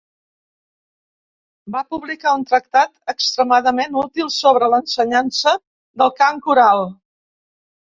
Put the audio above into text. Va publicar un tractat extremadament útil sobre l'ensenyança del cant coral.